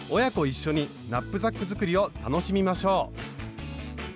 一緒にナップザック作りを楽しみましょう！